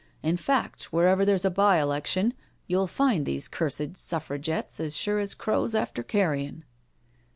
In fact, wherever there's a by election you'll find these cursed Suffragettes as sure as crows after carrion."